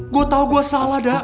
gue tau gue salah dak